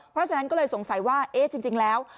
เพราะฉะนั้นก็เลยสงสัยว่าเอ๊ะจริงแล้ว